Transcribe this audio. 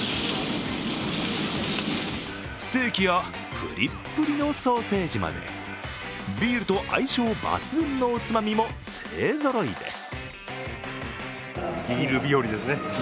ステーキやぷりっぷりのソーセージまで、ビールと相性抜群のおつまみも勢ぞろいです。